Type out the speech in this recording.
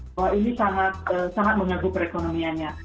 bahwa ini sangat menyebut perekonomianya